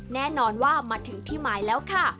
แน่นอนว่ามาถึงที่หมายแล้วค่ะ